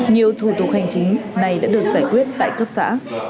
nhiều thủ tục hành chính này đã được giải quyết tại cấp xã